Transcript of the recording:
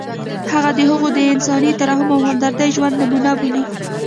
هغه د هغوی د انساني ترحم او همدردۍ ژوندۍ نمونه بولو.